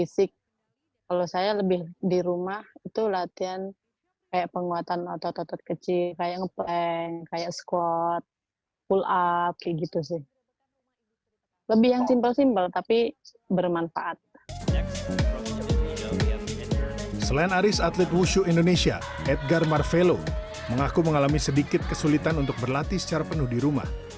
selain aris atlet wushu indonesia edgar marvelo mengaku mengalami sedikit kesulitan untuk berlatih secara penuh di rumah